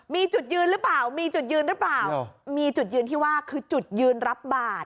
มีจุดยืนหรือเปล่ามีจุดยืนที่ว่าคือจุดยืนรับบาท